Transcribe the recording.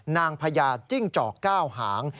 นางพญาจิ้งจอกก้าวหาง